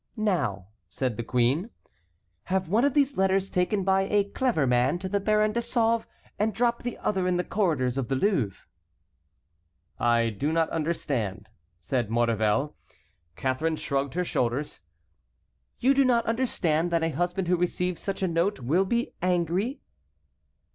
"Now," said the queen, "have one of these letters taken by a clever man to the Baron de Sauve, and drop the other in the corridors of the Louvre." "I do not understand," said Maurevel. Catharine shrugged her shoulders. "You do not understand that a husband who receives such a note will be angry?"